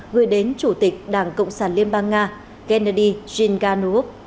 gửi đến chủ tịch đảng cộng sản liên bang nga gennady zhiganov